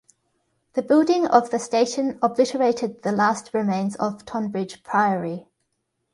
The building of the station obliterated the last remains of Tonbridge Priory.